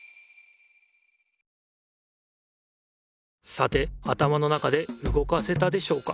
さて頭の中でうごかせたでしょうか？